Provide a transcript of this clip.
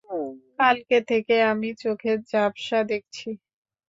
কালকে থেকে আমি চোখে ঝাপ্সা দেখছি।